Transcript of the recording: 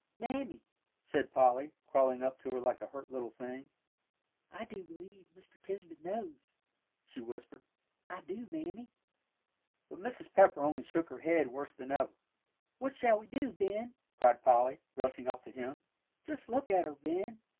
"Mammy," said Polly, crawling up to her like a hurt little thing, "I do believe Mr. Tisbett knows," she whispered. "I do, Mammy." But Mrs. Pepper only shook her head worse than ever. "What shall we do, Ben?" cried Polly, rushing up to him; "just look at her, Ben.